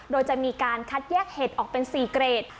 โดยจะมีการคัดแยกเห็ดออกเป็น๔เกรด